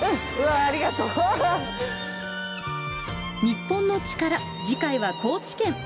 『日本のチカラ』次回は高知県。